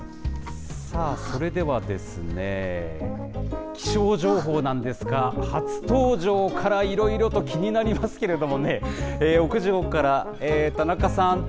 さあ、それではですね、気象情報なんですが、初登場からいろいろと気になりますけれどもね、屋上から、田中さん、